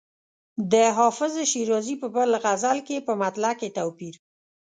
د حافظ شیرازي په بل غزل کې په مطلع کې توپیر.